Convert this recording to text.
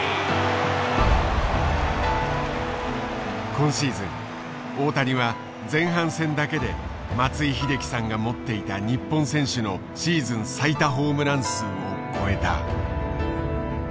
今シーズン大谷は前半戦だけで松井秀喜さんが持っていた日本選手のシーズン最多ホームラン数を超えた。